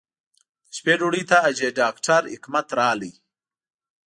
د شپې ډوډۍ ته حاجي ډاکټر حکمت راغی.